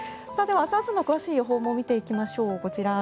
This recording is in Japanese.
明日朝の詳しい予報も見ていきましょう。